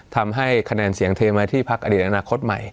ทำให้คะแนนเสียงเทมาที่พักอดีตอนาคตใหม่